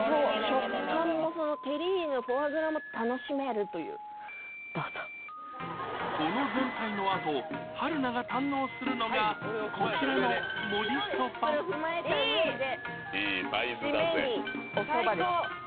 食感もテリーヌフォアグラも楽しめるというどうぞこの前菜のあと春菜が堪能するのがこちらのもりそばそれを踏まえた上で締めにお蕎麦です